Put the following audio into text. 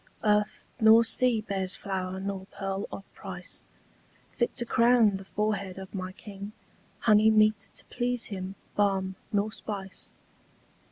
Earth nor sea bears flower nor pearl of price Fit to crown the forehead of my king, Honey meet to please him, balm, nor spice.